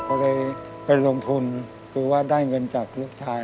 ก็เลยไปลงทุนคือว่าได้เงินจากลูกชาย